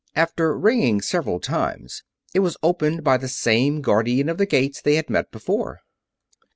After ringing several times, it was opened by the same Guardian of the Gates they had met before.